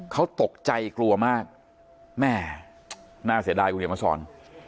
เขาตกใจกลัวมากแม่น่าเสียดายคุณเดี๋ยวมาสอน